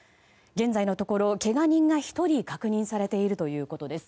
現在のところ、けが人が１人確認されているということです。